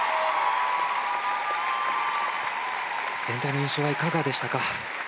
全体の印象はいかがでしたか？